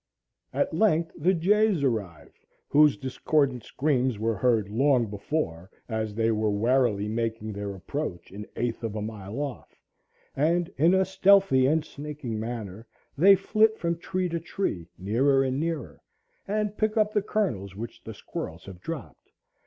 At length the jays arrive, whose discordant screams were heard long before, as they were warily making their approach an eighth of a mile off, and in a stealthy and sneaking manner they flit from tree to tree, nearer and nearer, and pick up the kernels which the squirrels have dropped.